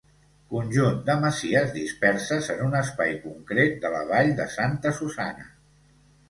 Conjunt de masies disperses en un espai concret de la vall de Santa Susanna.